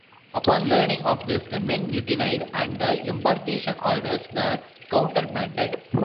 Upon learning of this, the men mutinied, and the embarkation orders were countermanded.